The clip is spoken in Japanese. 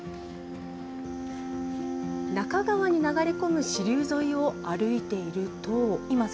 那珂川に流れ込む支流沿いを歩いていると。